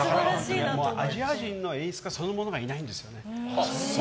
アジア人の演出家そのものがいないんですよね。